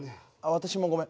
私もごめん。